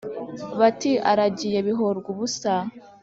bati : aragiye bihorwubusa.